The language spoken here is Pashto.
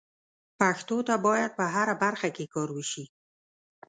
پښتو ته باید په هره برخه کې کار وشي.